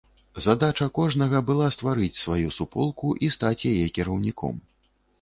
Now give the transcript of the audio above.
Задача кожнага была стварыць сваю суполку, і стаць яе кіраўніком.